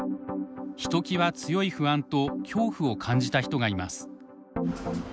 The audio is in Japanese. ひときわ強い不安と恐怖を感じた人がいます。